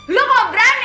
lo kalau berani